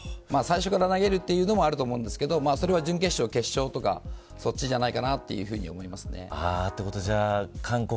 最初から投げるというのもあると思うんですけどそれは準決勝、決勝とかそっちじゃないかなと思いますね。